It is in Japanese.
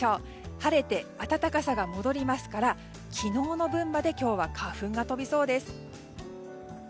晴れて暖かさが戻りますから昨日の分まで今日は、花粉が飛びそうです。